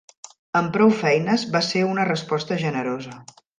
Amb prou feines va ser una resposta generosa.